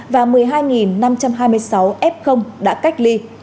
và một mươi hai năm trăm hai mươi sáu f đã cách ly